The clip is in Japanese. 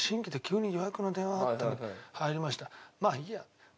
まあいいやって。